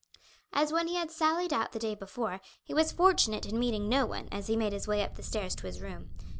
As when he had sallied out the day before, he was fortunate in meeting no one as he made his way up the stairs to his room.